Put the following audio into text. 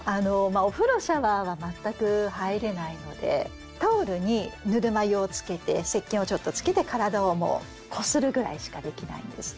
お風呂シャワーは全く入れないのでタオルにぬるま湯をつけて石鹸をちょっとつけて体をもうこするぐらいしかできないんです。